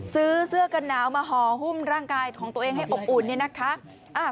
ซื้อเสื้อกันหนาวมาห่อหุ้มร่างกายของตัวเองให้อบอุ่นเนี่ยนะคะ